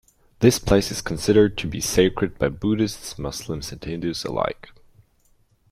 This place is considered to be sacred by Buddhists, Muslims and Hindus alike.